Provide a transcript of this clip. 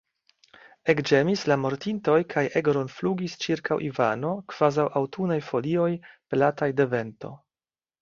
Ekĝemis la mortintoj kaj ekrondflugis ĉirkaŭ Ivano, kvazaŭ aŭtunaj folioj, pelataj de vento.